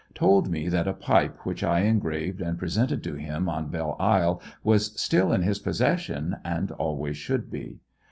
Told me that a pipe which I engraved and presented to him on Belle Isle was still in his possession, and always should be.